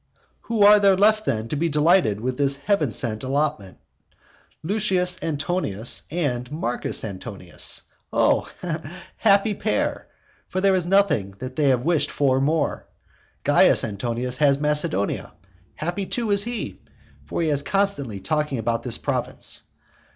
Who are there left then to be delighted with this heavensent allotment? Lucius Antonius and Marcus Antonius! O happy pair! for there is nothing that they wished for more. Caius Antonius has Macedonia. Happy, too, is he! For he was constantly talking about this province.